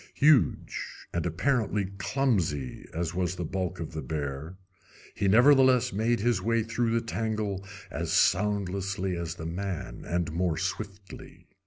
Huge and apparently clumsy as was the bulk of the bear, he nevertheless made his way through the tangle as soundlessly as the man, and more swiftly.